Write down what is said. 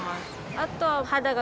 あと。